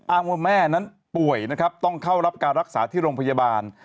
ว่าแม่นั้นป่วยนะครับต้องเข้ารับการรักษาที่โรงพยาบาล